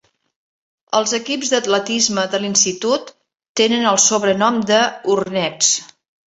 Els equips d'atletisme de l'institut tenen el sobrenom de Hornets.